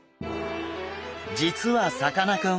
実はさかなクン